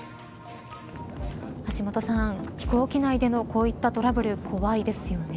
橋下さん飛行機内でのこういったトラブル怖いですよね。